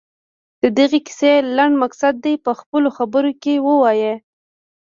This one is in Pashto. د دغې کیسې لنډ مقصد دې په خپلو خبرو کې ووايي.